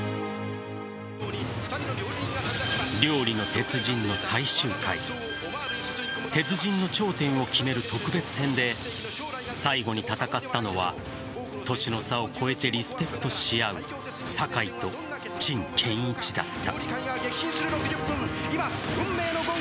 「料理の鉄人」の最終回鉄人の頂点を決める特別編で最後に戦ったのは年の差を超えてリスペクトし合う坂井と陳建一だった。